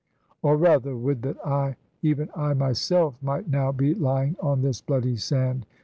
Or rather would that I, even I myself, Might now be lying on this bloody sand.